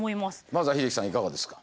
まずは英樹さんいかがですか。